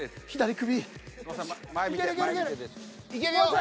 首。